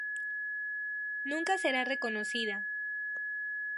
Nunca será reconocida.